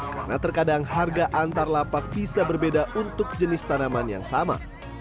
karena terkadang harga antar lapak bisa berbeda untuk jenis tanaman yang sama